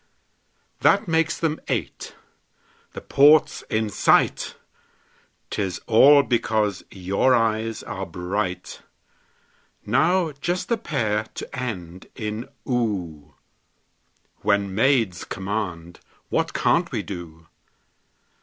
That makes them eight. The port's in sight 'Tis all because your eyes are bright! Now just a pair to end in "oo" When maids command, what can't we do?